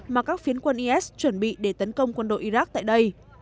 mà các phiến quân is chuẩn bị để tấn công quân đội iraq tại đây